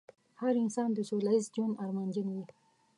هر انسان د سوله ييز ژوند ارمانجن وي.